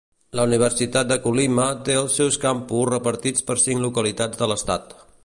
La Universitat de Colima té els seus campus repartits per cinc localitats de l'estat.